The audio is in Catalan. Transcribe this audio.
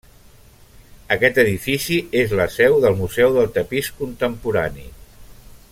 Aquest edifici és la seu del Museu del Tapís Contemporani.